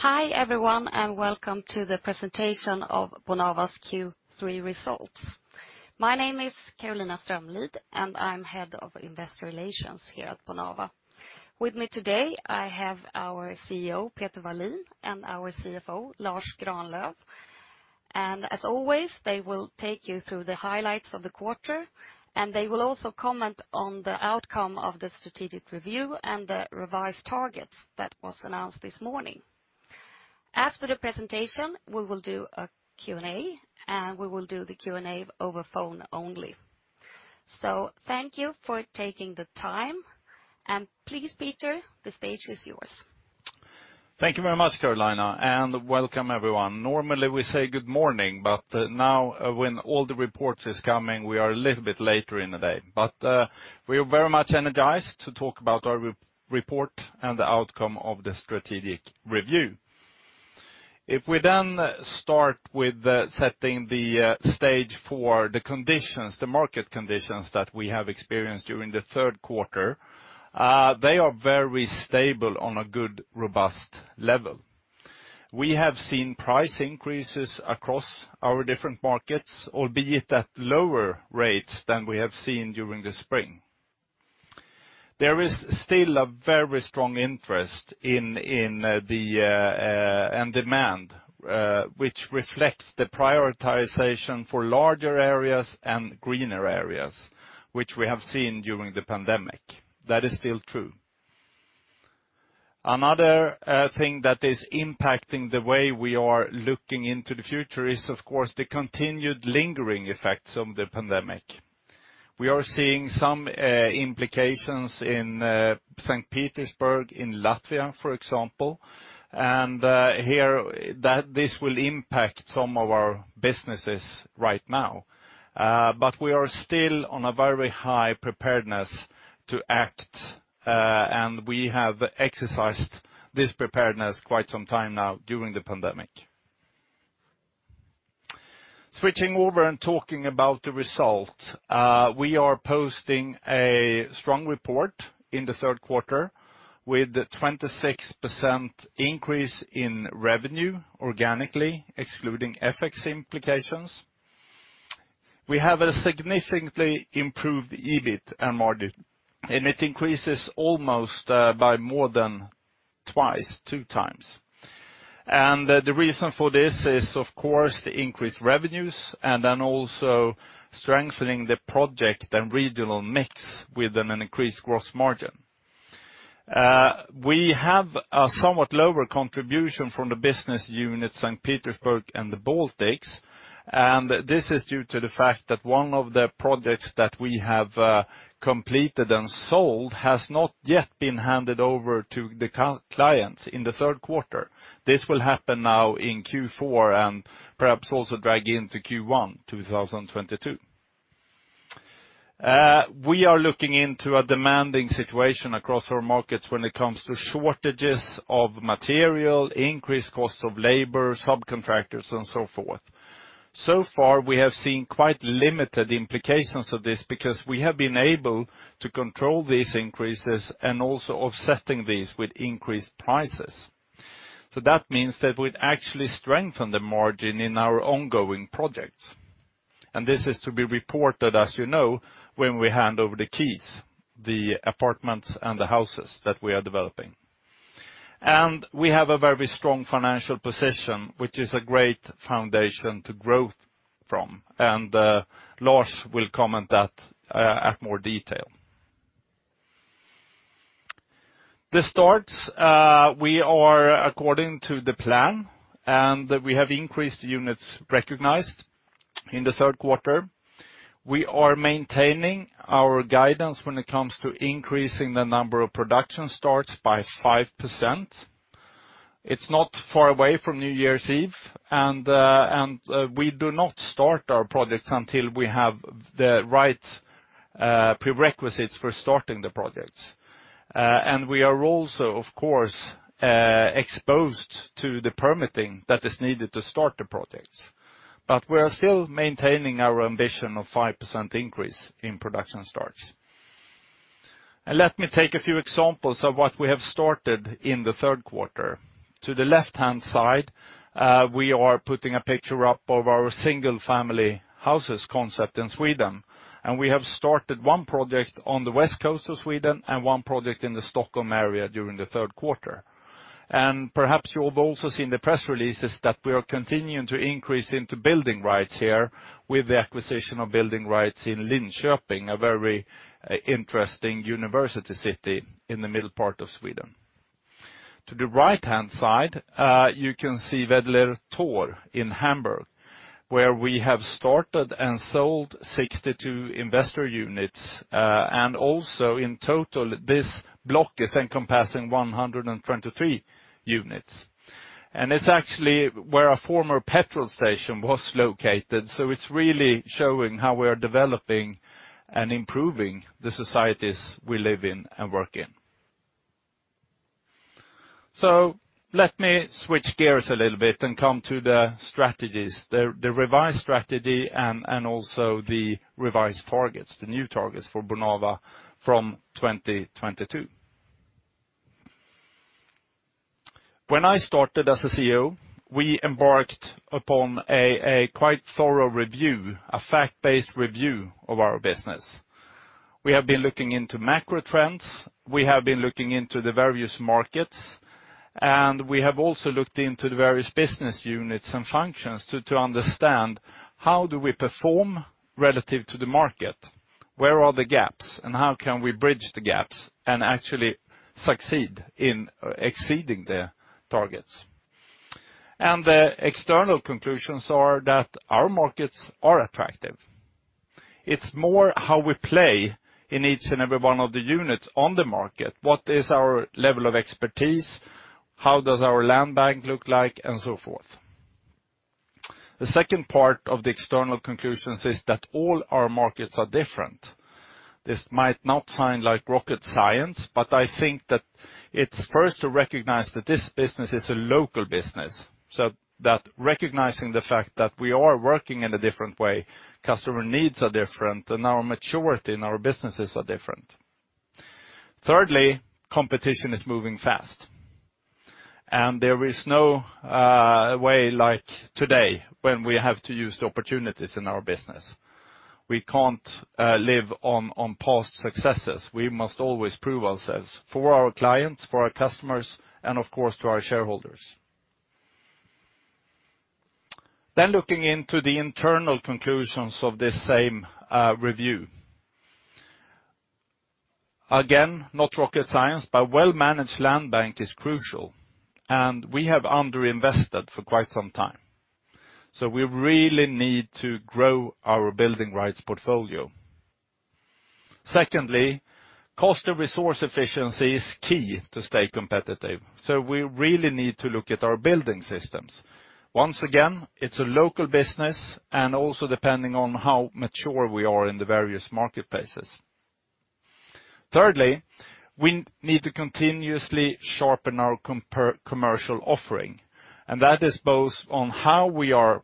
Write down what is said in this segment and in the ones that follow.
Hi, everyone, and welcome to the presentation of Bonava's Q3 Results. My name is Carolina Strömlid, and I'm Head of Investor Relations here at Bonava. With me today, I have our CEO, Peter Wallin, and our CFO, Lars Granlöf. As always, they will take you through the highlights of the quarter, and they will also comment on the outcome of the strategic review and the revised targets that was announced this morning. After the presentation, we will do a Q&A, and we will do the Q&A over phone only. Thank you for taking the time. Please, Peter, the stage is yours. Thank you very much, Carolina. Welcome, everyone. Normally, we say good morning, but now when all the reports is coming, we are a little bit later in the day. We are very much energized to talk about our report and the outcome of the strategic review. If we start with setting the stage for the conditions, the market conditions that we have experienced during the third quarter, they are very stable on a good, robust level. We have seen price increases across our different markets, albeit at lower rates than we have seen during the spring. There is still a very strong interest in and demand, which reflects the prioritization for larger areas and greener areas, which we have seen during the pandemic. That is still true. Another thing that is impacting the way we are looking into the future is, of course, the continued lingering effects of the pandemic. We are seeing some implications in St. Petersburg, in Latvia, for example. We hear that this will impact some of our businesses right now. We are still on a very high preparedness to act, and we have exercised this preparedness quite some time now during the pandemic. Switching over and talking about the result. We are posting a strong report in the third quarter with 26% increase in revenue organically, excluding FX implications. We have a significantly improved EBIT and margin, and it increases almost by more than two times. The reason for this is, of course, the increased revenues and then also strengthening the project and regional mix with an increased gross margin. We have a somewhat lower contribution from the business unit St. Petersburg and the Baltics, and this is due to the fact that one of the projects that we have completed and sold has not yet been handed over to the customers in the third quarter. This will happen now in Q4 and perhaps also drag into Q1 2022. We are looking into a demanding situation across our markets when it comes to shortages of material, increased costs of labor, subcontractors, and so forth. So far, we have seen quite limited implications of this because we have been able to control these increases and also offsetting these with increased prices. So that means that we've actually strengthened the margin in our ongoing projects. This is to be reported, as you know, when we hand over the keys, the apartments and the houses that we are developing. We have a very strong financial position, which is a great foundation to growth from. Lars will comment that in more detail. The starts we are according to the plan, and we have increased units recognized in the third quarter. We are maintaining our guidance when it comes to increasing the number of production starts by 5%. It's not far away from New Year's Eve, and we do not start our projects until we have the right prerequisites for starting the projects. We are also, of course, exposed to the permitting that is needed to start the projects. We are still maintaining our ambition of 5% increase in production starts. Let me take a few examples of what we have started in the third quarter. To the left-hand side, we are putting a picture up of our single-family houses concept in Sweden. We have started one project on the west coast of Sweden and one project in the Stockholm area during the third quarter. Perhaps you have also seen the press releases that we are continuing to increase into building rights here with the acquisition of building rights in Linköping, a very interesting university city in the middle part of Sweden. To the right-hand side, you can see Wedeler Tor in Hamburg, where we have started and sold 62 investor units. And also in total, this block is encompassing 123 units. It's actually where a former petrol station was located, so it's really showing how we are developing and improving the societies we live in and work in. Let me switch gears a little bit and come to the strategies, the revised strategy and also the revised targets, the new targets for Bonava from 2022. When I started as a CEO, we embarked upon a quite thorough review, a fact-based review of our business. We have been looking into macro trends. We have been looking into the various markets, and we have also looked into the various business units and functions to understand how do we perform relative to the market? Where are the gaps, and how can we bridge the gaps and actually succeed in exceeding the targets? The external conclusions are that our markets are attractive. It's more how we play in each and every one of the units on the market. What is our level of expertise? How does our land bank look like, and so forth. The second part of the external conclusions is that all our markets are different. This might not sound like rocket science, but I think that it's first to recognize that this business is a local business. That recognizing the fact that we are working in a different way, customer needs are different, and our maturity in our businesses are different. Thirdly, competition is moving fast. There is no way like today when we have to use the opportunities in our business. We can't live on past successes. We must always prove ourselves for our clients, for our customers, and of course, to our shareholders. Looking into the internal conclusions of this same review. Again, not rocket science, but well-managed land bank is crucial, and we have underinvested for quite some time. We really need to grow our building rights portfolio. Secondly, cost and resource efficiency is key to stay competitive. We really need to look at our building systems. Once again, it's a local business and also depending on how mature we are in the various marketplaces. Thirdly, we need to continuously sharpen our commercial offering. That is both on how we are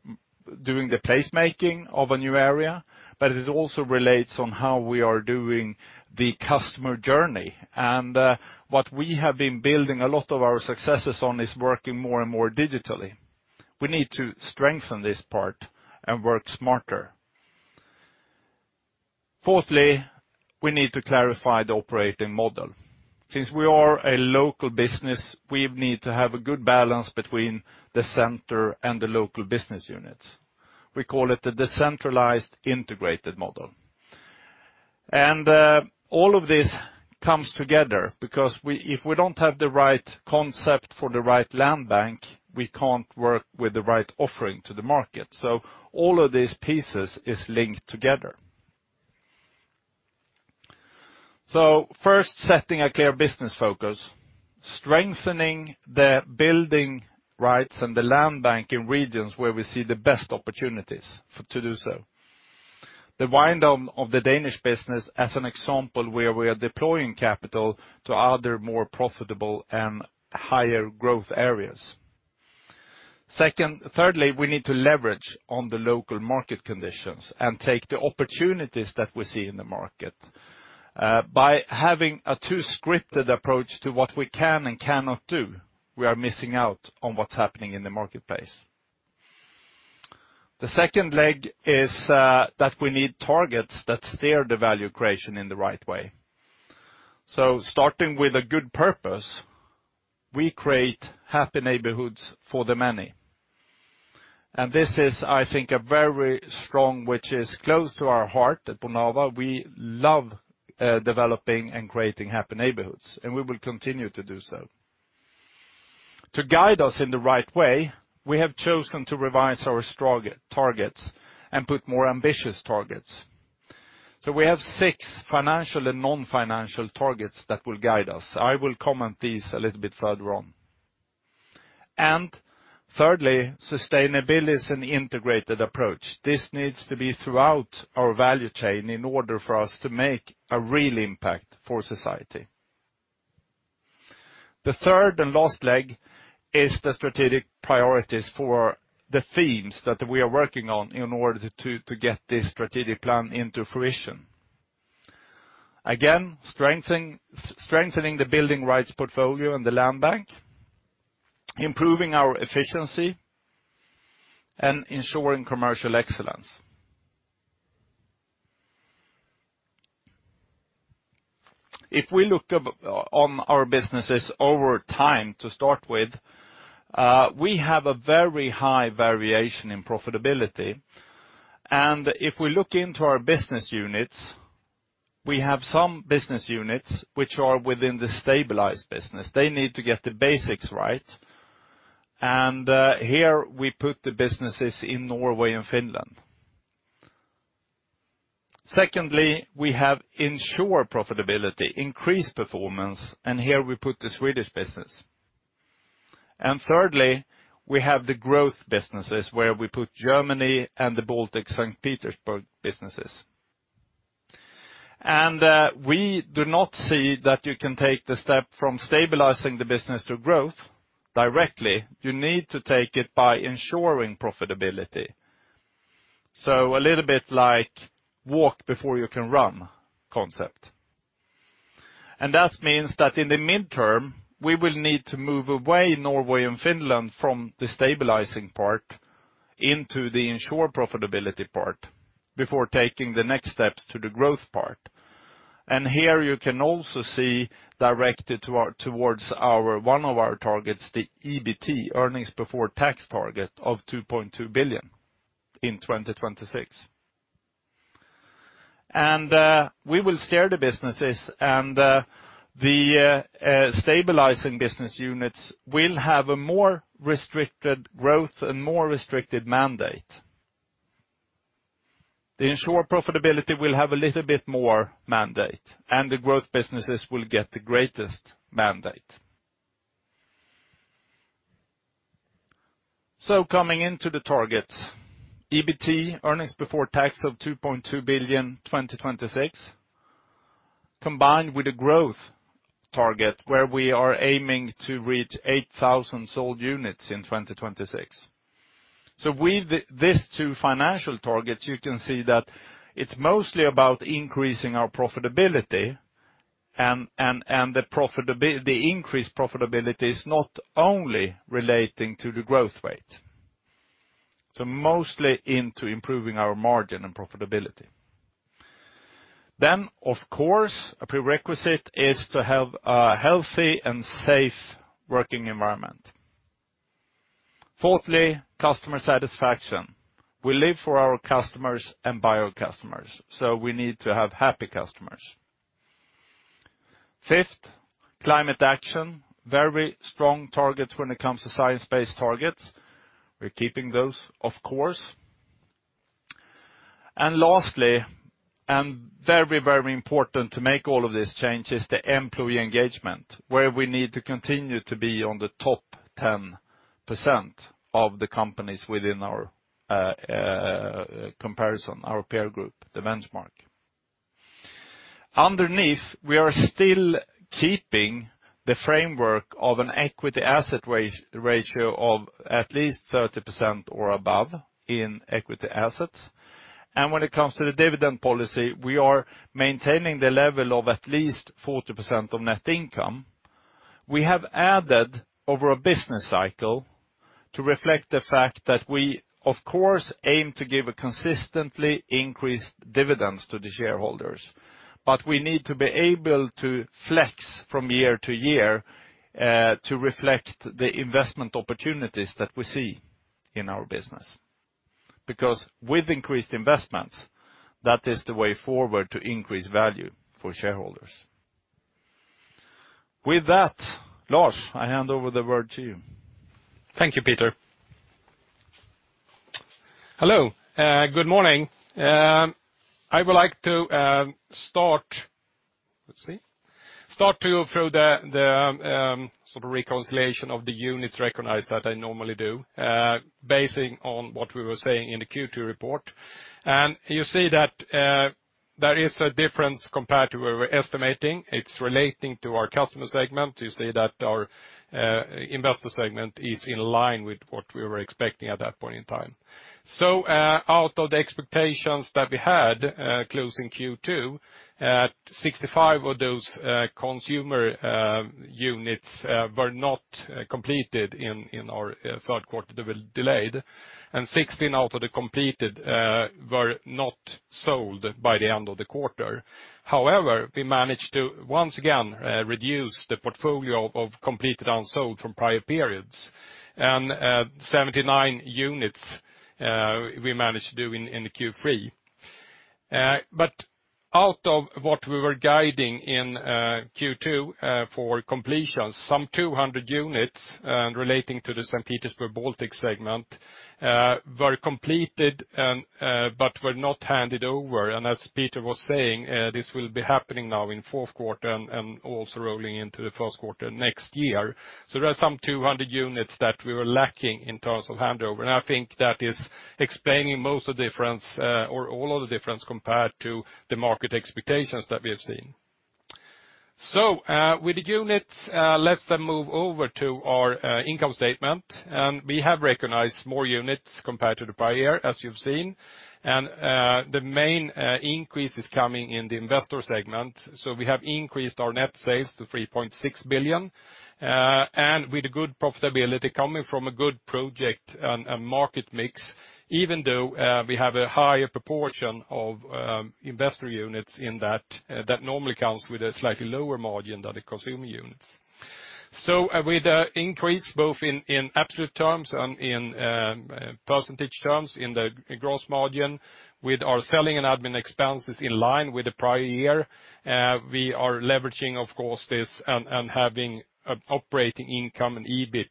doing the placemaking of a new area, but it also relates on how we are doing the customer journey. What we have been building a lot of our successes on is working more and more digitally. We need to strengthen this part and work smarter. Fourthly, we need to clarify the operating model. Since we are a local business, we need to have a good balance between the center and the local business units. We call it the decentralized integrated model. All of this comes together because if we don't have the right concept for the right land bank, we can't work with the right offering to the market. All of these pieces is linked together. First, setting a clear business focus, strengthening the building rights and the land bank in regions where we see the best opportunities to do so. The wind down of the Danish business as an example where we are deploying capital to other more profitable and higher growth areas. Thirdly, we need to leverage on the local market conditions and take the opportunities that we see in the market. By having a too scripted approach to what we can and cannot do, we are missing out on what's happening in the marketplace. The second leg is that we need targets that steer the value creation in the right way. Starting with a good purpose, we create happy neighborhoods for the many. This is, I think, a very strong, which is close to our heart at Bonava. We love developing and creating happy neighborhoods, and we will continue to do so. To guide us in the right way, we have chosen to revise our strong targets and put more ambitious targets. We have six financial and non-financial targets that will guide us. I will comment these a little bit further on. Thirdly, sustainability is an integrated approach. This needs to be throughout our value chain in order for us to make a real impact for society. The third and last leg is the strategic priorities for the themes that we are working on in order to get this strategic plan into fruition. Again, strengthening the building rights portfolio and the land bank, improving our efficiency, and ensuring commercial excellence. If we look upon our businesses over time to start with, we have a very high variation in profitability. If we look into our business units, we have some business units which are within the stabilized business. They need to get the basics right. Here we put the businesses in Norway and Finland. Secondly, we have to ensure profitability, increase performance, and here we put the Swedish business. Thirdly, we have the growth businesses where we put Germany and the Baltic States. Our business. We do not see that you can take the step from stabilizing the business to growth directly. You need to take it by ensuring profitability. A little bit like walk before you can run concept. That means that in the medium term, we will need to move away Norway and Finland from the stabilizing part into the ensure profitability part before taking the next steps to the growth part. Here you can also see directed towards our one of our targets, the EBT, earnings before tax target of 2.2 billion in 2026. We will steer the businesses and the stabilizing business units will have a more restricted growth and more restricted mandate. The ensure profitability will have a little bit more mandate, and the growth businesses will get the greatest mandate. Coming into the targets, EBT, earnings before tax of 2.2 billion 2026, combined with a growth target where we are aiming to reach 8,000 sold units in 2026. With these two financial targets, you can see that it's mostly about increasing our profitability and the profitability, the increased profitability is not only relating to the growth rate. Mostly into improving our margin and profitability. Of course, a prerequisite is to have a healthy and safe working environment. Fourthly, customer satisfaction. We live for our customers and buyer customers, so we need to have happy customers. Fifth, climate action, very strong targets when it comes to science-based targets. We're keeping those, of course. Lastly, very, very important to make all of these changes, the employee engagement, where we need to continue to be on the top 10% of the companies within our comparison, our peer group, the benchmark. Underneath, we are still keeping the framework of an equity/assets ratio of at least 30% or above in equity assets. When it comes to the dividend policy, we are maintaining the level of at least 40% of net income. We have added over a business cycle to reflect the fact that we, of course, aim to give a consistently increased dividends to the shareholders. We need to be able to flex from year to year to reflect the investment opportunities that we see in our business. Because with increased investments, that is the way forward to increase value for shareholders. With that, Lars, I hand over the word to you. Thank you, Peter. Hello, good morning. I would like to start to go through the sort of reconciliation of the units recognized that I normally do, based on what we were saying in the Q2 report. You see that there is a difference compared to what we were estimating. It's relating to our customer segment. You see that our investor segment is in line with what we were expecting at that point in time. Out of the expectations that we had closing Q2, 65 of those consumer units were not completed in our third quarter. They were delayed, and 16 out of the completed were not sold by the end of the quarter. However, we managed to once again reduce the portfolio of completed unsold from prior periods. 79 units we managed to do in the Q3. But out of what we were guiding in Q2 for completions, some 200 units relating to the St. Petersburg Baltic segment were completed, but were not handed over. As Peter was saying, this will be happening now in fourth quarter and also rolling into the first quarter next year. There are some 200 units that we were lacking in terms of handover. I think that is explaining most of the difference, or all of the difference compared to the market expectations that we have seen. With the units, let's then move over to our income statement. We have recognized more units compared to the prior year, as you've seen. The main increase is coming in the investor segment. We have increased our net sales to 3.6 billion, and with good profitability coming from a good project and market mix, even though we have a higher proportion of investor units in that that normally comes with a slightly lower margin than the consumer units. With the increase both in absolute terms and in percentage terms in the gross margin with our selling and admin expenses in line with the prior year, we are leveraging, of course, this and having an operating income and EBIT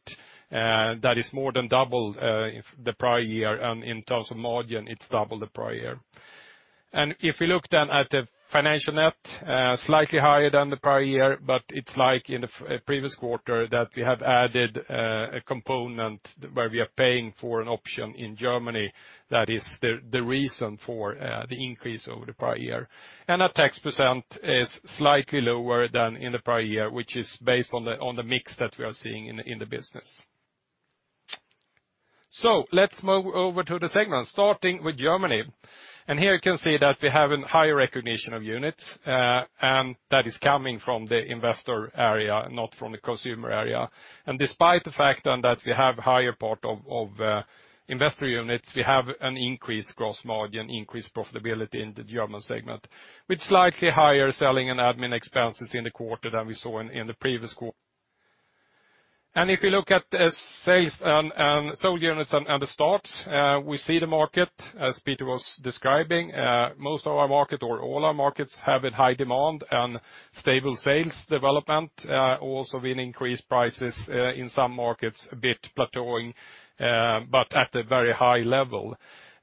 that is more than double the prior year. In terms of margin, it's double the prior year. If you look then at the financial net, slightly higher than the prior year, but it's like in the previous quarter that we have added a component where we are paying for an option in Germany that is the reason for the increase over the prior year. Our tax percent is slightly lower than in the prior year, which is based on the mix that we are seeing in the business. Let's move over to the segment, starting with Germany. Here you can see that we have a higher recognition of units, and that is coming from the investor area, not from the consumer area. Despite the fact then that we have higher part of investor units, we have an increased gross margin, increased profitability in the German segment, with slightly higher selling and admin expenses in the quarter than we saw in the previous quarter. If you look at the sales and sold units and the starts, we see the market, as Peter was describing, most of our market or all our markets have a high demand and stable sales development, also with increased prices, in some markets a bit plateauing, but at a very high level.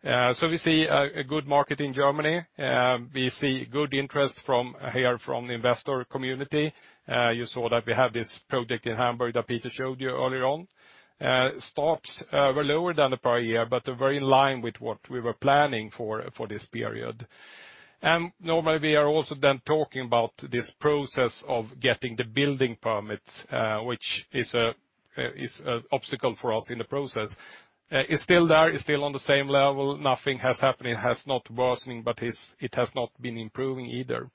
So we see a good market in Germany. We see good interest from the investor community. You saw that we have this project in Hamburg that Peter showed you earlier on. Starts were lower than the prior year, but they're very in line with what we were planning for this period. Normally, we are also then talking about this process of getting the building permits, which is an obstacle for us in the process. It's still there, it's still on the same level. Nothing has happened. It has not worsening, but it has not been improving either.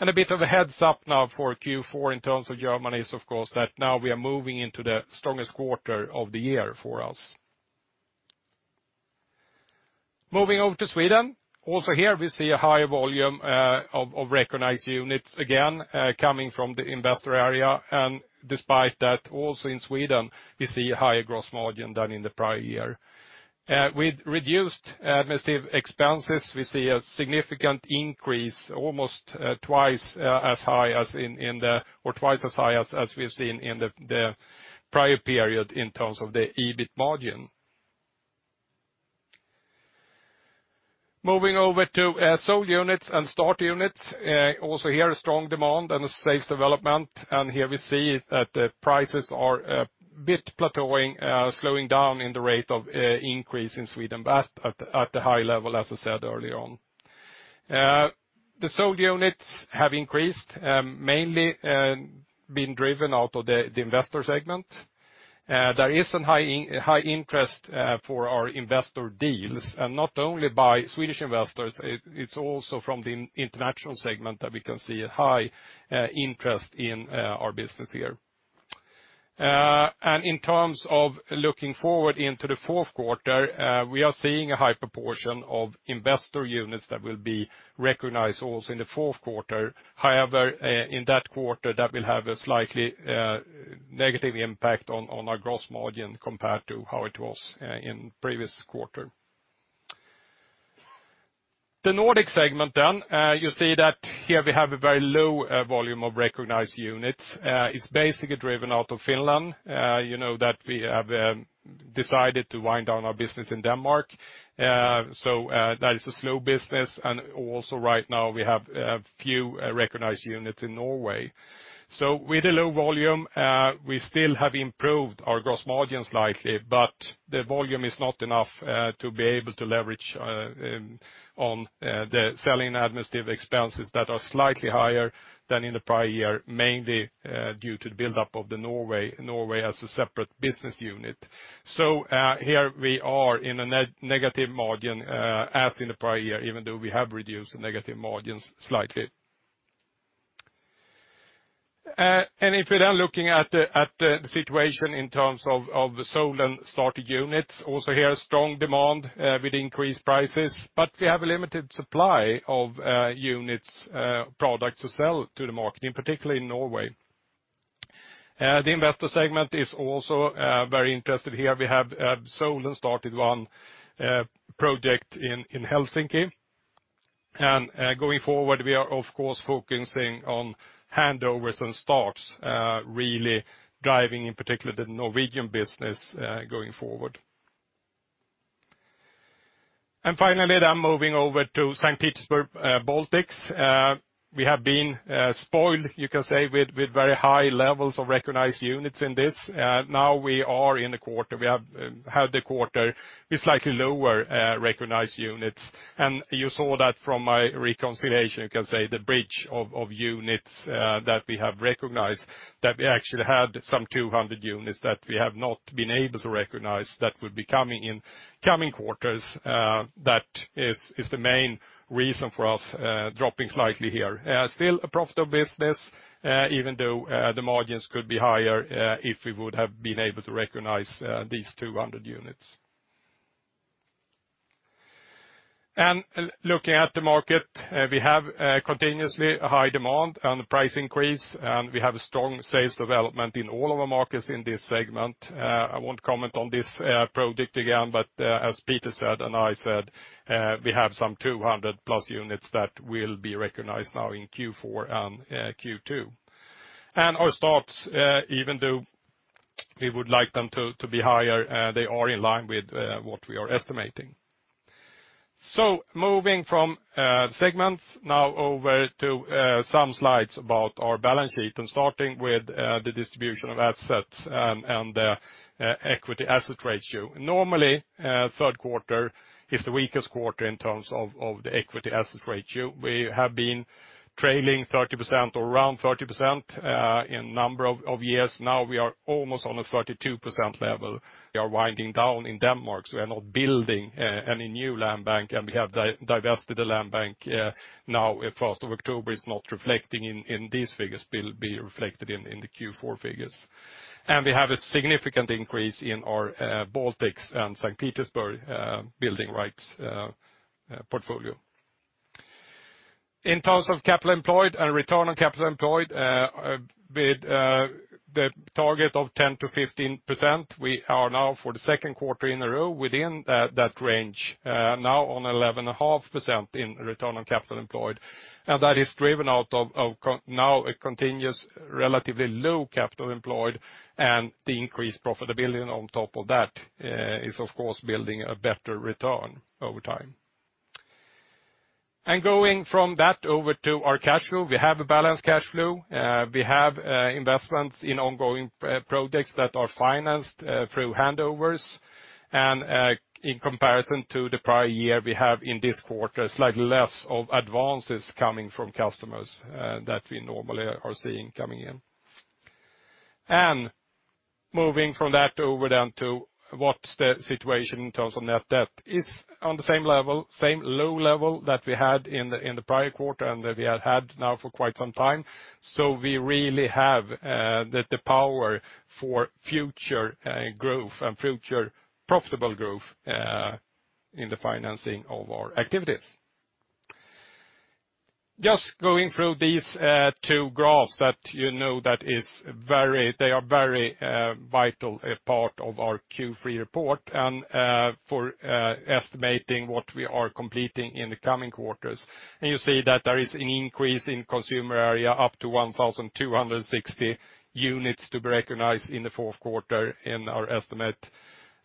A bit of a heads-up now for Q4 in terms of Germany is, of course, that now we are moving into the strongest quarter of the year for us. Moving over to Sweden, also here we see a higher volume of recognized units, again, coming from the investor area. Despite that, also in Sweden, we see a higher gross margin than in the prior year. With reduced administrative expenses, we see a significant increase, twice as high as we've seen in the prior period in terms of the EBIT margin. Moving over to sold units and start units, also here a strong demand and sales development. Here we see that the prices are a bit plateauing, slowing down in the rate of increase in Sweden, but at a high level, as I said earlier on. The sold units have increased, mainly being driven by the investor segment. There is some high interest for our investor deals, and not only by Swedish investors. It's also from the international segment that we can see a high interest in our business here. In terms of looking forward into the fourth quarter, we are seeing a high proportion of investor units that will be recognized also in the fourth quarter. However, in that quarter, that will have a slightly negative impact on our gross margin compared to how it was in previous quarter. The Nordic segment, you see that here we have a very low volume of recognized units. It's basically driven out of Finland. You know that we have decided to wind down our business in Denmark. That is a slow business, and also right now we have a few recognized units in Norway. With the low volume, we still have improved our gross margin slightly, but the volume is not enough to be able to leverage on the selling administrative expenses that are slightly higher than in the prior year, mainly due to the buildup of the Norway as a separate business unit. Here we are in a negative margin as in the prior year, even though we have reduced the negative margins slightly. If we're then looking at the situation in terms of the sold and started units, also here strong demand with increased prices. But we have a limited supply of units, products to sell to the market, in particular in Norway. The investor segment is also very interested here. We have sold and started one project in Helsinki. Going forward, we are of course focusing on handovers and starts, really driving in particular the Norwegian business, going forward. Finally, moving over to St. Petersburg, Baltics. We have been spoiled, you can say, with very high levels of recognized units in this. Now we are in the quarter, we have had the quarter with slightly lower recognized units. You saw that from my reconciliation, you can say the bridge of units that we have recognized, that we actually had some 200 units that we have not been able to recognize that would be coming in coming quarters. That is the main reason for us dropping slightly here. Still a profitable business, even though the margins could be higher if we would have been able to recognize these 200 units. Looking at the market, we have continuously a high demand and the price increase, and we have a strong sales development in all of our markets in this segment. I won't comment on this project again, but as Peter said and I said, we have some 200+ units that will be recognized now in Q4 and Q2. Our starts, even though we would like them to be higher, they are in line with what we are estimating. Moving from segments now over to some slides about our balance sheet, and starting with the distribution of assets and equity/assets ratio. Normally, third quarter is the weakest quarter in terms of the equity/assets ratio. We have been trailing 30% or around 30% in number of years now. We are almost on a 32% level. We are winding down in Denmark, so we're not building any new land bank, and we have divested the land bank now. As of October, it's not reflecting in these figures but will be reflected in the Q4 figures. We have a significant increase in our Baltics and St. Petersburg building rights portfolio. In terms of capital employed and return on capital employed, with the target of 10%-15%, we are now for the second quarter in a row within that range, now on 11.5% in return on capital employed. That is driven by a continuous, relatively low capital employed and the increased profitability on top of that is of course building a better return over time. Going from that over to our cash flow, we have a balanced cash flow. We have investments in ongoing projects that are financed through handovers. In comparison to the prior year, we have in this quarter slightly less of advances coming from customers that we normally are seeing coming in. Moving from that over down to what's the situation in terms of net debt. It's on the same level, same low level that we had in the prior quarter and that we have had now for quite some time. We really have the power for future growth and future profitable growth in the financing of our activities. Just going through these two graphs that you know are very vital part of our Q3 report and for estimating what we are completing in the coming quarters. You see that there is an increase in consumer area up to 1,260 units to be recognized in the fourth quarter in our estimate,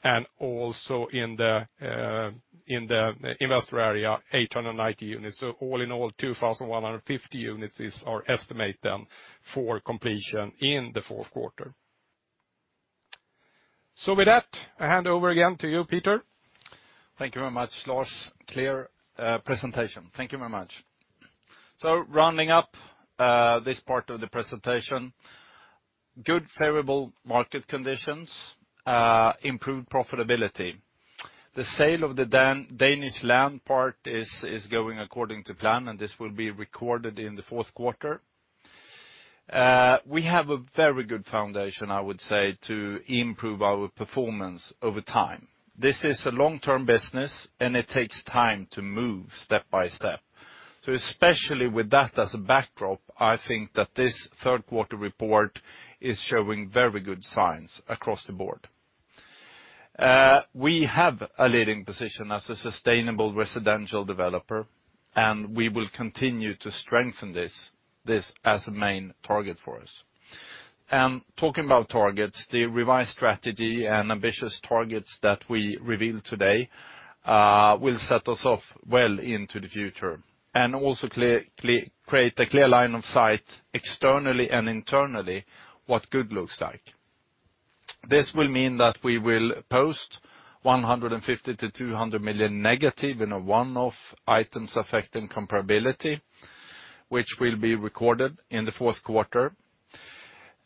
and also in the investor area, 890 units. All in all, 2,150 units is our estimate then for completion in the fourth quarter. With that, I hand over again to you, Peter. Thank you very much, Lars. Clear presentation. Thank you very much. Rounding up this part of the presentation, good favorable market conditions, improved profitability. The sale of the Danish land part is going according to plan, and this will be recorded in the fourth quarter. We have a very good foundation, I would say, to improve our performance over time. This is a long-term business, and it takes time to move step by step. Especially with that as a backdrop, I think that this third quarter report is showing very good signs across the board. We have a leading position as a sustainable residential developer, and we will continue to strengthen this as a main target for us. Talking about targets, the revised strategy and ambitious targets that we revealed today will set us off well into the future, and also create a clear line of sight externally and internally what good looks like. This will mean that we will post -150 million to -200 million in one-off items affecting comparability, which will be recorded in the fourth quarter.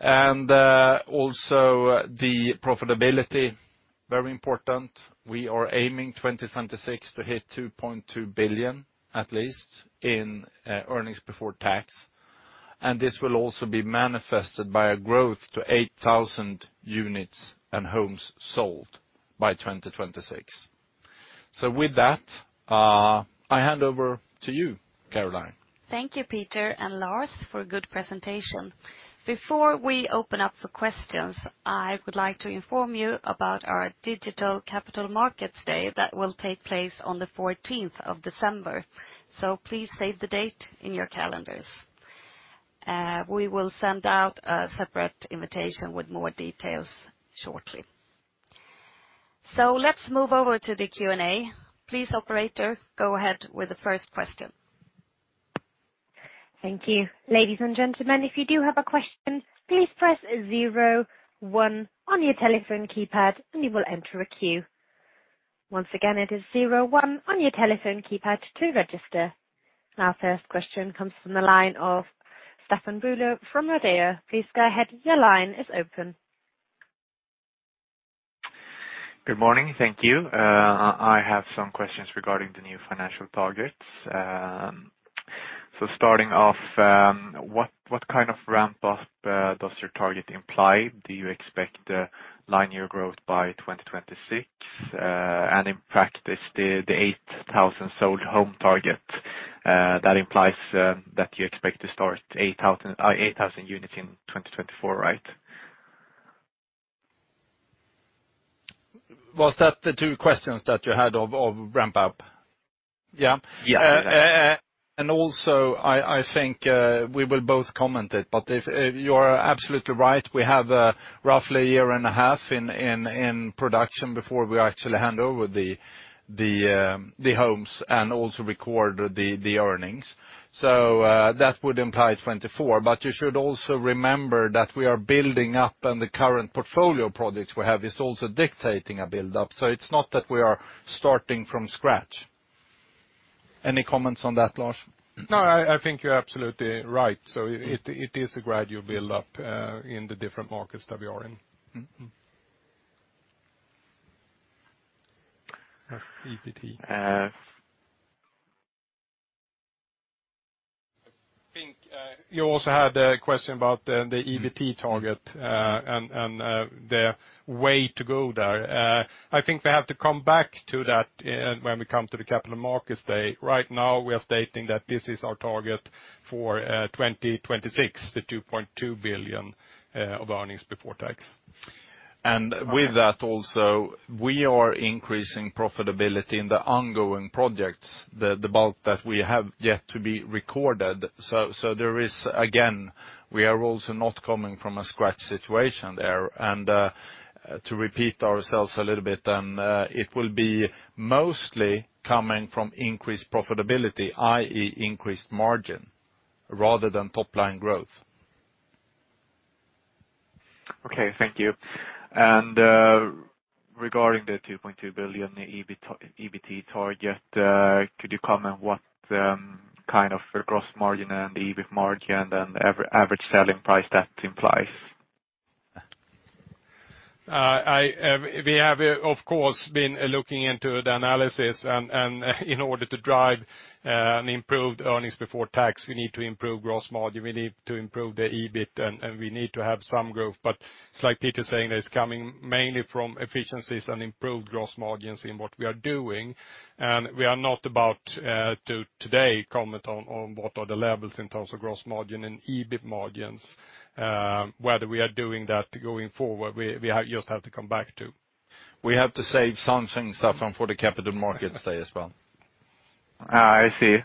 Also the profitability, very important. We are aiming 2026 to hit 2.2 billion at least in earnings before tax. This will also be manifested by a growth to 8,000 units and homes sold by 2026. With that, I hand over to you, Caroline. Thank you, Peter and Lars, for a good presentation. Before we open up for questions, I would like to inform you about our digital Capital Markets Day that will take place on the fourteenth of December. Please save the date in your calendars. We will send out a separate invitation with more details shortly. Let's move over to the Q&A. Please, operator, go ahead with the first question. Thank you. Ladies and gentlemen, if you do have a question, please press zero one on your telephone keypad, and you will enter a queue. Once again, it is zero one on your telephone keypad to register. Our first question comes from the line of Staffan Bülow from Nordea. Please go ahead. Your line is open. Good morning. Thank you. I have some questions regarding the new financial targets. Starting off, what kind of ramp up does your target imply? Do you expect nine-year growth by 2026? In practice, the 8000 sold home target that implies that you expect to start 8000 units in 2024, right? Was that the two questions that you had of ramp up? Yeah. Yeah. I think we will both comment it, but if you're absolutely right, we have roughly a year and a half in production before we actually hand over the homes and also record the earnings. That would imply 2024, but you should also remember that we are building up on the current portfolio projects we have is also dictating a build-up. It's not that we are starting from scratch. Any comments on that, Lars? No, I think you're absolutely right. It is a gradual build-up in the different markets that we are in. EBT. I think you also had a question about the EBT target and the way to go there. I think we have to come back to that when we come to the Capital Markets Day. Right now, we are stating that this is our target for 2026, the 2.2 billion of earnings before tax. With that also, we are increasing profitability in the ongoing projects, the bulk that we have yet to be recorded. There is again, we are also not coming from scratch situation there. To repeat ourselves a little bit, it will be mostly coming from increased profitability, i.e., increased margin rather than top line growth. Okay, thank you. Regarding the 2.2 billion EBT target, could you comment what kind of gross margin and EBIT margin and average selling price that implies? We have of course been looking into the analysis and in order to drive an improved earnings before tax, we need to improve gross margin, we need to improve the EBIT, and we need to have some growth. It's like Peter saying, it's coming mainly from efficiencies and improved gross margins in what we are doing. We are not about to today comment on what are the levels in terms of gross margin and EBIT margins. Whether we are doing that going forward, we just have to come back to. We have to save some things, Staffan, for the Capital Markets Day as well. I see.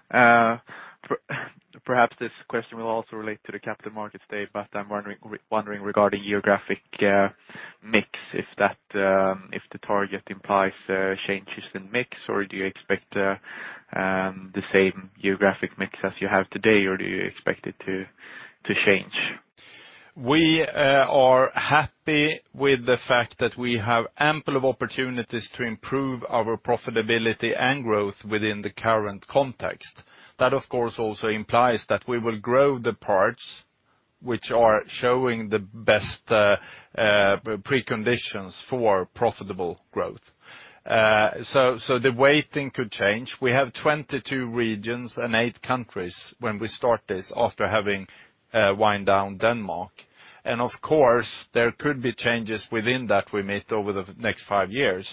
Perhaps this question will also relate to the Capital Markets Day, but I'm wondering regarding geographic mix, if the target implies changes in mix, or do you expect the same geographic mix as you have today, or do you expect it to change? We are happy with the fact that we have ample of opportunities to improve our profitability and growth within the current context. That of course also implies that we will grow the parts which are showing the best preconditions for profitable growth. So the weighting could change. We have 22 regions and eight countries when we start this after having wind down Denmark. Of course, there could be changes within that we meet over the next five years.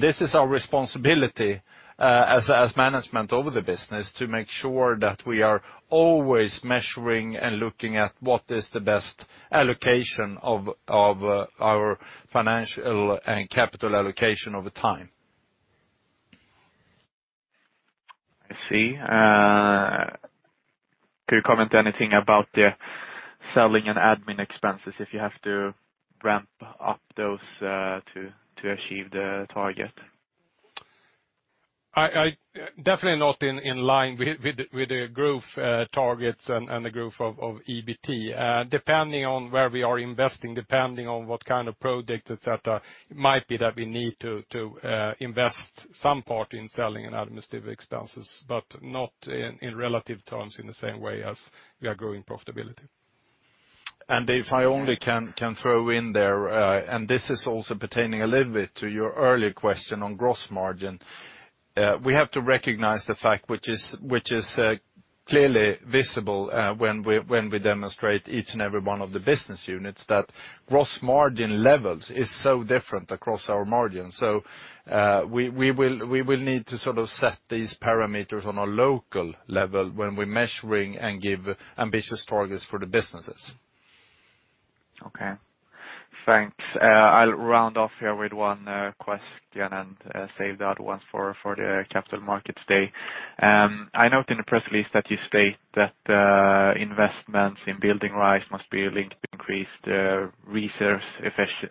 This is our responsibility as management over the business to make sure that we are always measuring and looking at what is the best allocation of our financial and capital allocation over time. I see. Could you comment anything about the selling and admin expenses if you have to ramp up those to achieve the target? Definitely not in line with the growth targets and the growth of EBT. Depending on where we are investing, depending on what kind of project, etcetera, it might be that we need to invest some part in selling and administrative expenses, but not in relative terms in the same way as we are growing profitability. If I only can throw in there, and this is also pertaining a little bit to your earlier question on gross margin. We have to recognize the fact which is clearly visible, when we demonstrate each and every one of the business units that gross margin levels is so different across our markets. We will need to sort of set these parameters on a local level when we're measuring and give ambitious targets for the businesses. Okay. Thanks. I'll round off here with one question and save the other ones for the Capital Markets Day. I note in the press release that you state that investments in building rights must be linked to increased resource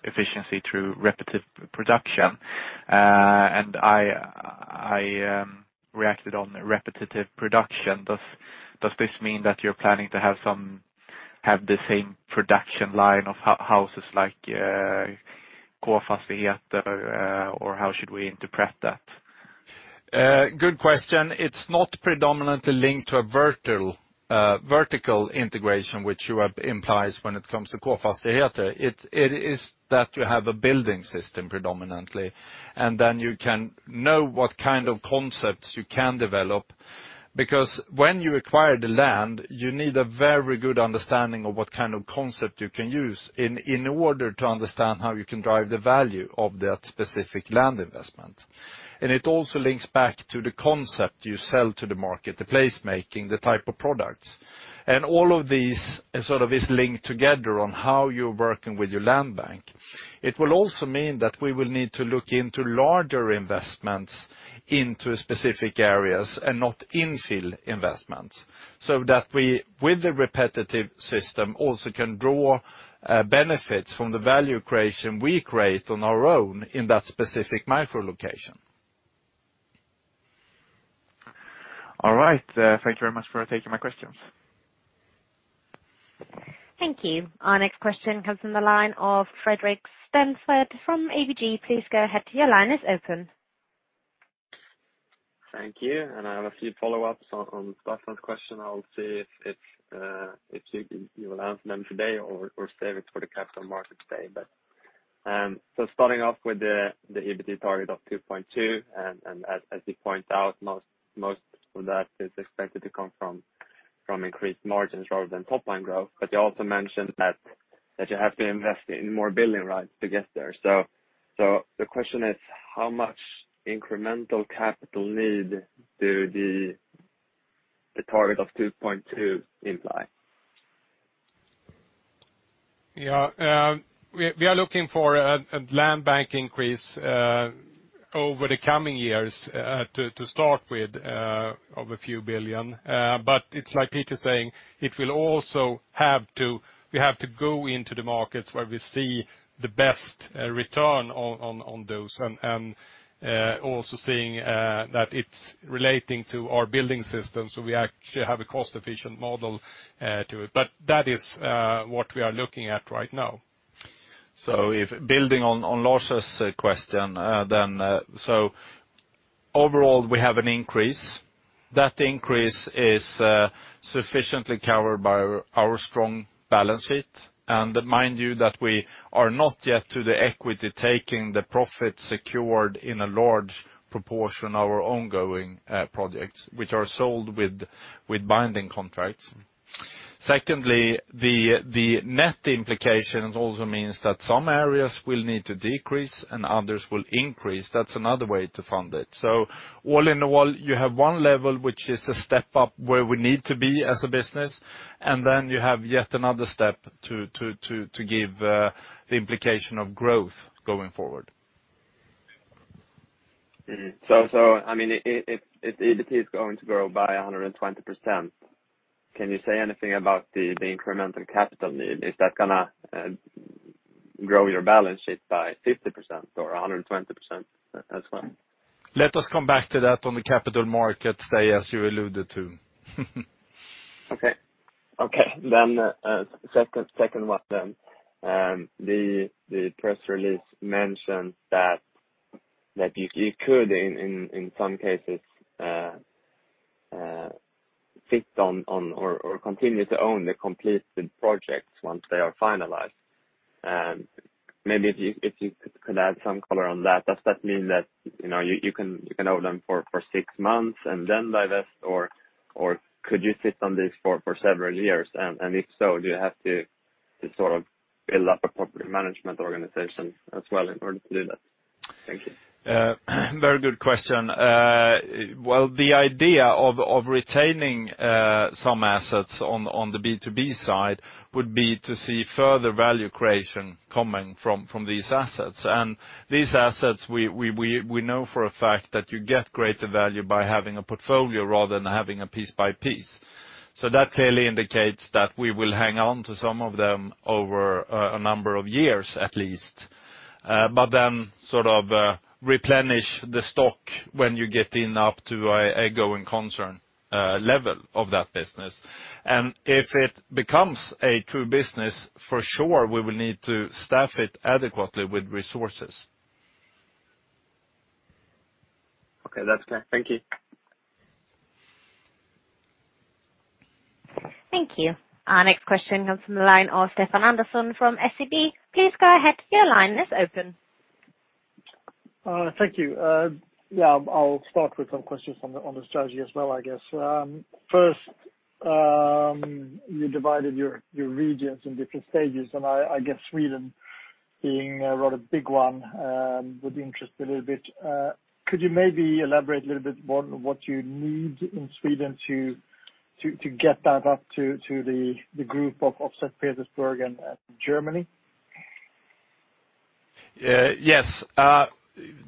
efficiency through repetitive production. I reacted to repetitive production. Does this mean that you're planning to have the same production line of houses like K2A Knaust & Andersson Fastigheter, or how should we interpret that? Good question. It's not predominantly linked to vertical integration, which implies when it comes to K2A Knaust & Andersson Fastigheter. It is that you have a building system predominantly, and then you can know what kind of concepts you can develop. Because when you acquire the land, you need a very good understanding of what kind of concept you can use in order to understand how you can drive the value of that specific land investment. It also links back to the concept you sell to the market, the place making, the type of products. All of these sort of is linked together on how you're working with your land bank. It will also mean that we will need to look into larger investments into specific areas and not infill investments, so that we, with the repetitive system, also can draw benefits from the value creation we create on our own in that specific micro location. All right. Thank you very much for taking my questions. Thank you. Our next question comes from the line of Fredrik Stensved from ABG Sundal Collier. Please go ahead, your line is open. Thank you. I have a few follow-ups on the first round question. I'll see if you will answer them today or save it for the Capital Markets Day. Starting off with the EBT target of 2.2, and as you point out, most of that is expected to come from increased margins rather than top line growth. You also mentioned that you have to invest in more building rights to get there. The question is, how much incremental capital need does the target of 2.2 imply? We are looking for a land bank increase over the coming years to start with of SEK a few billion. But it's like Peter saying, it will also have to. We have to go into the markets where we see the best return on those, also seeing that it's relating to our building system, so we actually have a cost-efficient model to it. That is what we are looking at right now. If building on Lars' question, then so overall we have an increase. That increase is sufficiently covered by our strong balance sheet. Mind you that we are not yet to the equity taking the profit secured in a large proportion our ongoing projects, which are sold with binding contracts. Secondly, the net implications also means that some areas will need to decrease and others will increase. That's another way to fund it. All in all, you have one level, which is a step up where we need to be as a business, and then you have yet another step to give the implication of growth going forward. I mean, if EBIT is going to grow by 100%, can you say anything about the incremental capital need? Is that gonna grow your balance sheet by 50% or 100% as well? Let us come back to that on the Capital Markets Day, as you alluded to. Second one then. The press release mentioned that you could in some cases sit on or continue to own the completed projects once they are finalized. Maybe if you could add some color on that. Does that mean that, you know, you can own them for six months and then divest? Or could you sit on this for several years? And if so, do you have to sort of build up a property management organization as well in order to do that? Thank you. Very good question. Well, the idea of retaining some assets on the B2B side would be to see further value creation coming from these assets. These assets, we know for a fact that you get greater value by having a portfolio rather than having a piece by piece. That clearly indicates that we will hang on to some of them over a number of years at least. Then sort of replenish the stock when you get enough to a going concern level of that business. If it becomes a true business, for sure, we will need to staff it adequately with resources. Okay. That's clear. Thank you. Thank you. Our next question comes from the line of Stefan Andersson from Danske Bank. Please go ahead, your line is open. Thank you. Yeah, I'll start with some questions on the strategy as well, I guess. First, you divided your regions in different stages, and I guess Sweden being a rather big one would interest a little bit. Could you maybe elaborate a little bit more on what you need in Sweden to get that up to the group of St. Petersburg and Germany? Yes.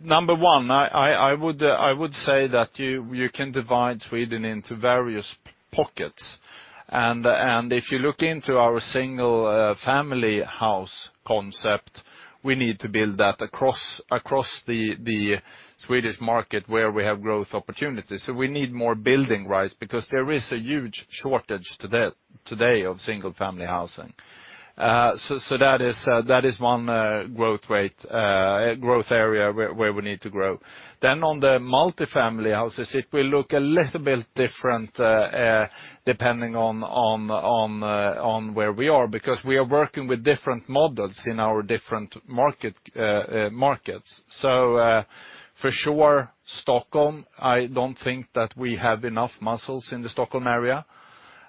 Number one, I would say that you can divide Sweden into various pockets. If you look into our single-family house concept, we need to build that across the Swedish market where we have growth opportunities. We need more building rights because there is a huge shortage today of single-family housing. That is one growth area where we need to grow. On the multifamily houses, it will look a little bit different depending on where we are, because we are working with different models in our different markets. For sure, Stockholm, I don't think that we have enough muscles in the Stockholm area.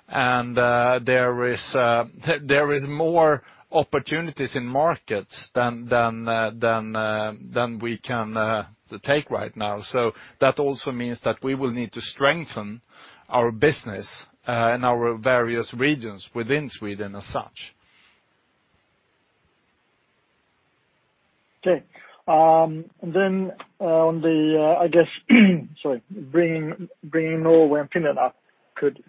There is more opportunities in markets than we can take right now. That also means that we will need to strengthen our business in our various regions within Sweden as such. Okay. Bringing Norway and Finland up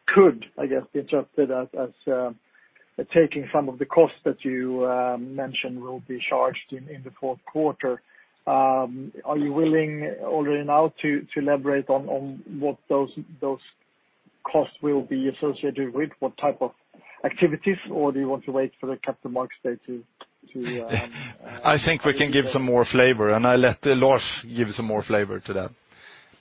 could I guess be interpreted as taking some of the costs that you mentioned will be charged in the fourth quarter. Are you willing already now to elaborate on what those costs will be associated with? What type of activities or do you want to wait for the Capital Markets Day to I think we can give some more flavor, and I'll let Lars give some more flavor to that.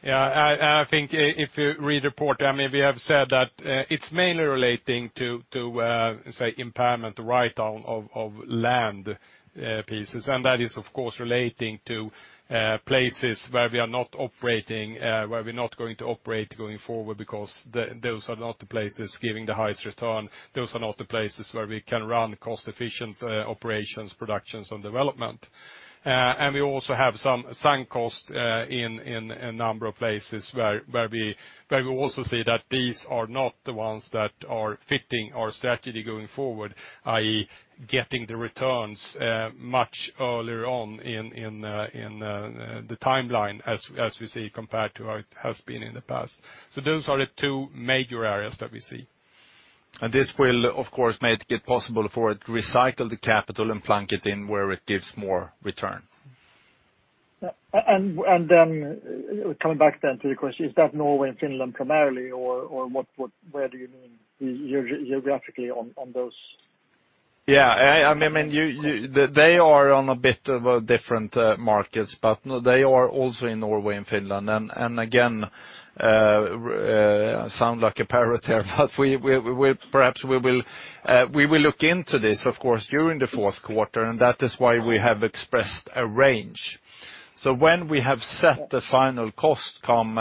Yeah. I think if you read the report, I mean, we have said that it's mainly relating to say, impairment, the write-down of land pieces. That is of course relating to places where we are not operating, where we're not going to operate going forward because those are not the places giving the highest return. Those are not the places where we can run cost-efficient operations, productions, and development. We also have some sunk cost in a number of places where we also see that these are not the ones that are fitting our strategy going forward, i.e., getting the returns much earlier on in the timeline as we see compared to how it has been in the past. Those are the two major areas that we see. This will of course make it possible for it to recycle the capital and plug it in where it gives more return. Coming back then to the question, is that Norway and Finland primarily, or what? Where do you mean geographically on those? Yeah. I mean, they are on a bit of a different markets, but they are also in Norway and Finland. Again, sound like a parrot here, but perhaps we will look into this of course during the fourth quarter, and that is why we have expressed a range. When we have set the final costs come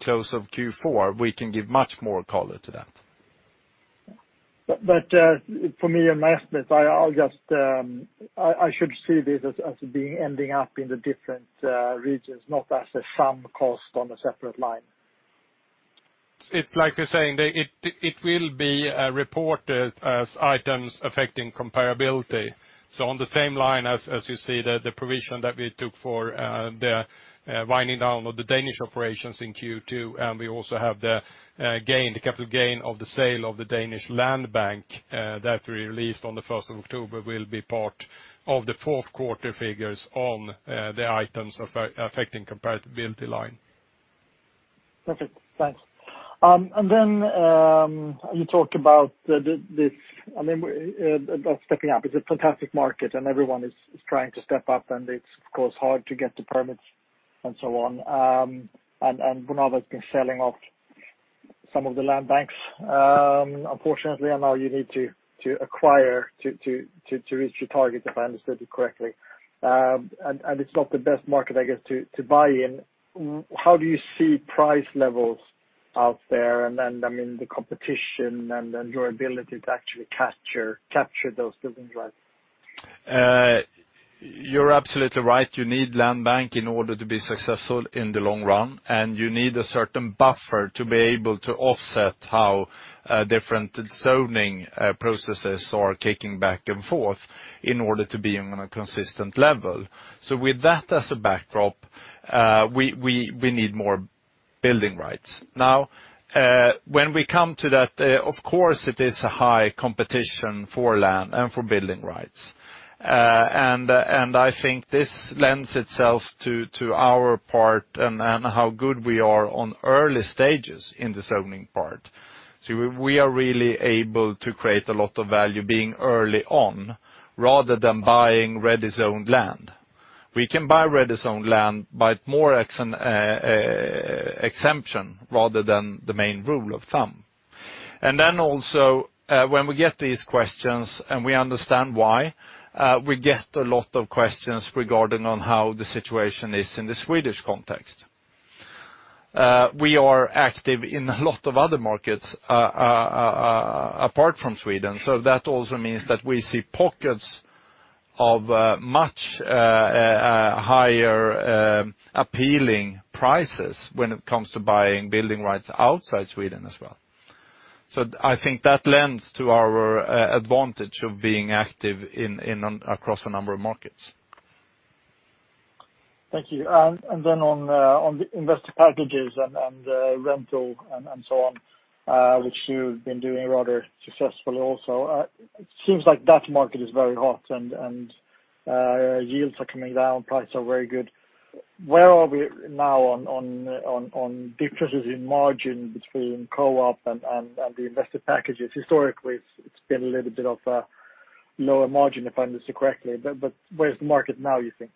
close of Q4, we can give much more color to that. For me and my estimates, I'll just see this as being ending up in the different regions, not as a sum cost on a separate line. It will be reported as items affecting comparability. On the same line as you see the provision that we took for the winding down of the Danish operations in Q2, and we also have the gain, the capital gain of the sale of the Danish land bank that we released on the 1st of October will be part of the fourth quarter figures on the items affecting comparability line. Perfect. Thanks. Then you talked about this, I mean, stepping up. It's a fantastic market, and everyone is trying to step up, and it's of course hard to get the permits and so on. Bonava has been selling off some of the land banks, unfortunately, and now you need to reach your target, if I understood you correctly. It's not the best market, I guess, to buy in. How do you see price levels out there? Then, I mean, the competition and your ability to actually capture those building rights. You're absolutely right. You need land bank in order to be successful in the long run, and you need a certain buffer to be able to offset how different zoning processes are kicking back and forth in order to be on a consistent level. With that as a backdrop, we need more building rights. Now, when we come to that, of course, it is a high competition for land and for building rights. I think this lends itself to our part and how good we are on early stages in the zoning part. We are really able to create a lot of value being early on rather than buying ready-zoned land. We can buy ready-zoned land, but more as an exemption rather than the main rule of thumb. When we get these questions, and we understand why, we get a lot of questions regarding on how the situation is in the Swedish context. We are active in a lot of other markets, apart from Sweden. That also means that we see pockets of much higher appealing prices when it comes to buying building rights outside Sweden as well. I think that lends to our advantage of being active in across a number of markets. Thank you. Then on the investor packages and rental and so on, which you've been doing rather successfully also. It seems like that market is very hot and yields are coming down, prices are very good. Where are we now on differences in margin between co-op and the investor packages? Historically, it's been a little bit of a lower margin, if I understand correctly. Where is the market now, you think?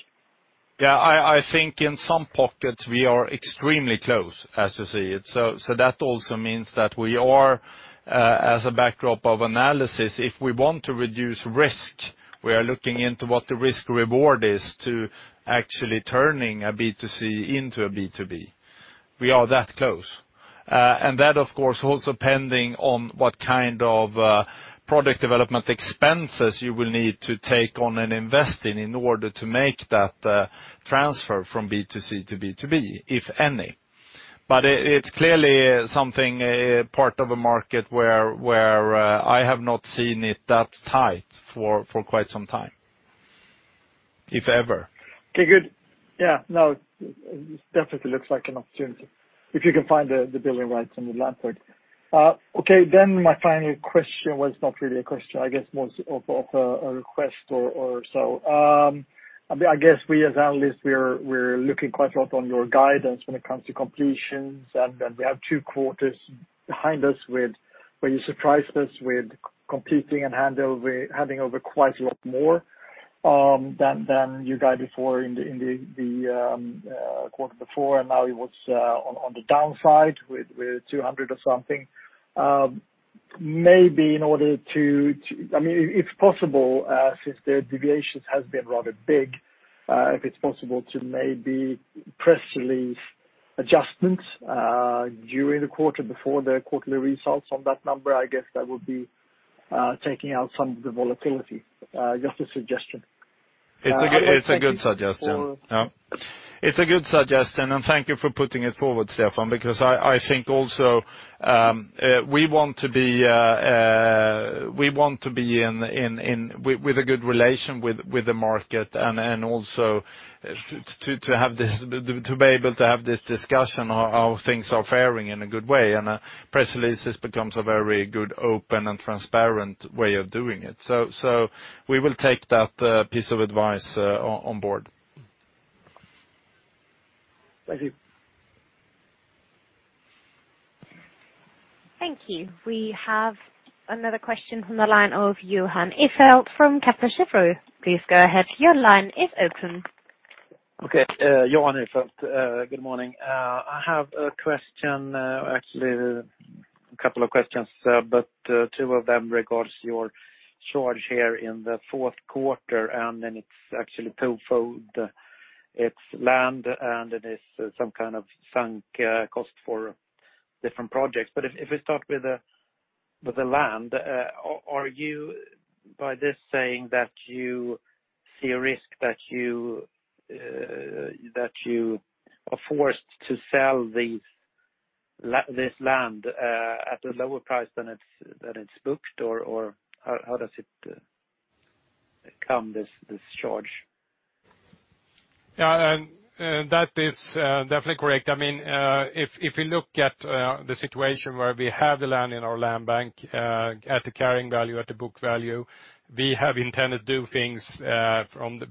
I think in some pockets we are extremely close, as you see it, that also means that we are, as a backdrop of analysis, if we want to reduce risk, we are looking into what the risk reward is to actually turning a B2C into a B2B. We are that close. That, of course, also depending on what kind of product development expenses you will need to take on and invest in order to make that transfer from B2C to B2B, if any. It's clearly something part of a market where I have not seen it that tight for quite some time, if ever. Okay, good. Yeah, no, it definitely looks like an opportunity if you can find the building rights on the land part. Okay, then my final question was not really a question, I guess more of a request or so. I mean, I guess we as analysts, we're looking quite a lot on your guidance when it comes to completions. Then we have two quarters behind us where you surprised us with completing and handing over quite a lot more than you guided for in the quarter before. Now it was on the downside with 200 or something. Maybe in order to to. I mean, it's possible, since the deviations has been rather big, if it's possible to maybe press release adjustments during the quarter before the quarterly results on that number. I guess that would be taking out some of the volatility. Just a suggestion. It's a good suggestion. Thank you for- Yeah. It's a good suggestion, and thank you for putting it forward, Stefan. Because I think also we want to be in with a good relation with the market and also to have this discussion on how things are faring in a good way. A press release just becomes a very good, open, and transparent way of doing it. We will take that piece of advice on board. Thank you. Thank you. We have another question from the line of Jan Ihrfelt from Kepler Cheuvreux. Please go ahead, your line is open. Okay. Jan Ihrfelt. Good morning. I have a question, actually a couple of questions. Two of them regards your charge here in the fourth quarter, and then it's actually twofold. It's land, and it is some kind of sunk cost for different projects. If we start with the land, are you by this saying that you see a risk that you are forced to sell this land at a lower price than it's booked? Or how does it come, this charge? Yeah. That is definitely correct. I mean, if you look at the situation where we have the land in our land bank at the carrying value, at the book value. We have intended to do things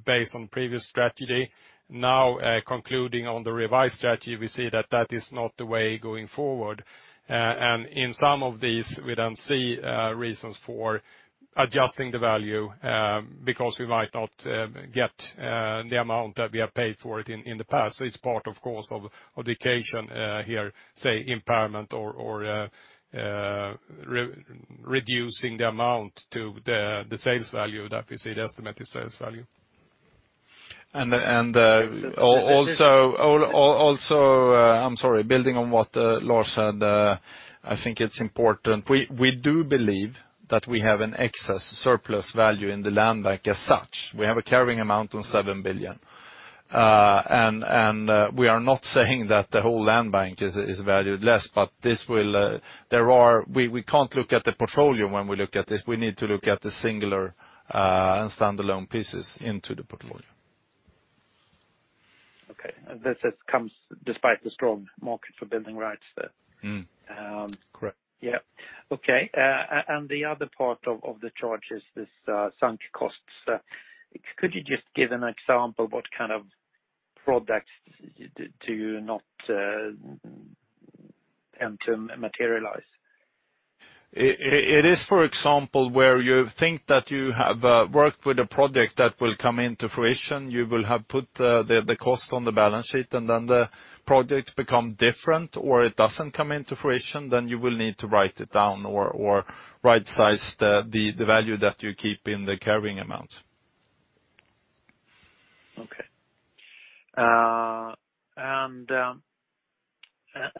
based on previous strategy. Now, considering the revised strategy, we see that is not the way going forward. In some of these, we don't see reasons for adjusting the value because we might not get the amount that we have paid for it in the past. It's part, of course, of the equation here, say, impairment or reducing the amount to the estimated sales value that we see. Also, I'm sorry. Building on what Lars said, I think it's important. We do believe that we have an excess surplus value in the land bank as such. We have a carrying amount of 7 billion. We are not saying that the whole land bank is valued less, but we can't look at the portfolio when we look at this. We need to look at the singular and standalone pieces in the portfolio. Okay. This comes despite the strong market for building rights there. Mm-hmm. Correct. Yeah. Okay. And the other part of the charge is this, sunk costs. Could you just give an example what kind of products do you not materialize? It is, for example, where you think that you have worked with a project that will come into fruition. You will have put the cost on the balance sheet, and then the project become different, or it doesn't come into fruition. You will need to write it down or right-size the value that you keep in the carrying amount. Okay.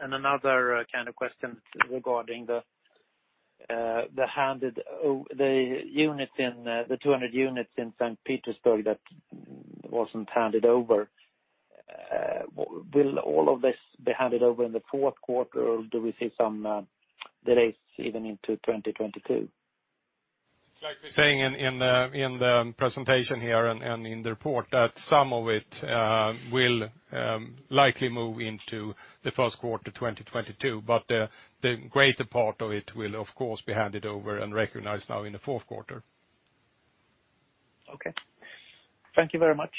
Another kind of question regarding the units in the 200 units in St. Petersburg that wasn't handed over. Will all of this be handed over in the fourth quarter, or do we see some delays even into 2022? It's like we're saying in the presentation here and in the report that some of it will likely move into the first quarter 2022. The greater part of it will of course be handed over and recognized now in the fourth quarter. Okay. Thank you very much.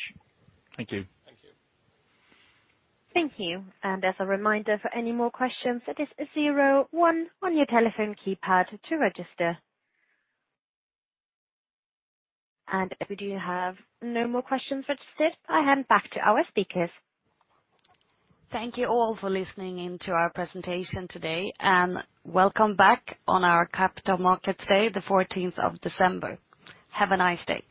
Thank you. Thank you. Thank you. As a reminder, for any more questions, it is zero one on your telephone keypad to register. We do have no more questions registered. I hand back to our speakers. Thank you all for listening in to our presentation today. Welcome back on our Capital Markets Day, the 14th of December. Have a nice day.